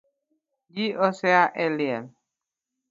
Ji osea eliel